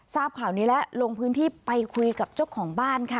ทราบข่าวนี้แล้วลงพื้นที่ไปคุยกับเจ้าของบ้านค่ะ